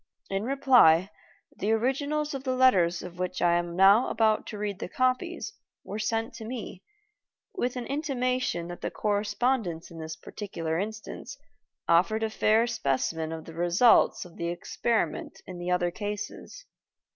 In reply, the originals of the letters of which I am now about to read the copies were sent to me, with an intimation that the correspondence in this particular instance offered a fair specimen of the results of the experiment in the other cases.